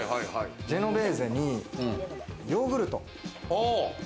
ジェノベーゼに、ヨーグルト。